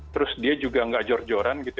terus dia juga nggak jor joran